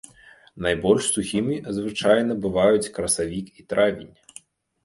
Найбольш сухімі звычайна бываюць красавік і травень.